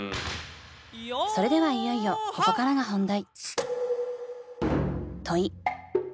それではいよいよここからが本題。